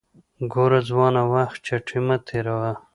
ګوره ځوانه وخت چټي مه تیروه